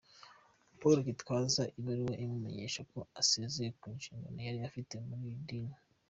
Paul Gitwaza ibaruwa amumenyesha ko asezeye ku nshingano yari afite muri iri dini.